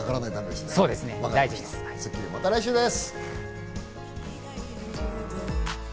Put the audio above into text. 『スッキリ』はまた来週です。